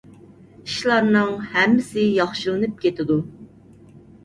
ئىشلارنىڭ ھەممىسى ياخشىلىنىپ كېتىدۇ.